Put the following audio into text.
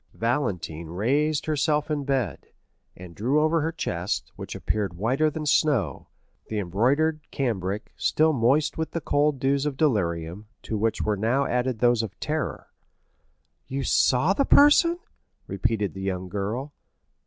Valentine raised herself in bed, and drew over her chest, which appeared whiter than snow, the embroidered cambric, still moist with the cold dews of delirium, to which were now added those of terror. "You saw the person?" repeated the young girl.